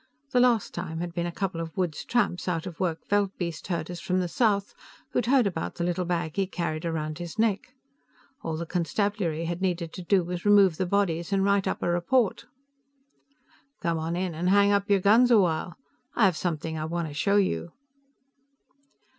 The last time had been a couple of woods tramps, out of work veldbeest herders from the south, who had heard about the little bag he carried around his neck. All the Constabulary had needed to do was remove the bodies and write up a report. "Come on in and hang up your guns awhile. I have something I want to show you."